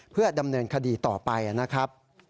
เพื่อดำเนินคดีต่อไปนะครับ